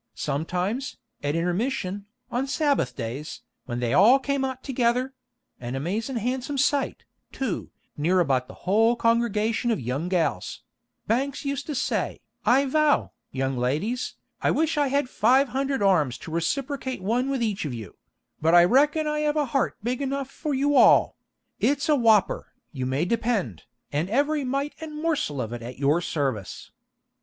Sometimes, at intermission, on Sabbath days, when they all came out together (an amazin' handsom' sight, too, near about a whole congregation of young gals), Banks used to say, 'I vow, young ladies, I wish I had five hundred arms to reciprocate one with each of you; but I reckon I have a heart big enough for you all; it's a whopper, you may depend, and every mite and morsel of it at your service.'